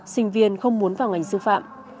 sinh viên không muốn vào ngành sư phạm